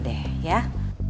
ya terima kasih